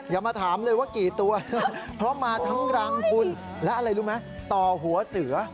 อย่ามาถามเลยว่ากี่ตัวเพราะมาทั้งรังคุณและอะไรรู้ไหมต่อหัวเสือ